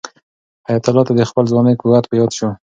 حیات الله ته د خپل ځوانۍ قوت په یاد شو.